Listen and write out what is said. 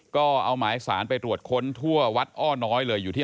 ก็เอาหมายสารไปตรวจค้นทั่ววัดอ้อน้อยเลยอยู่ที่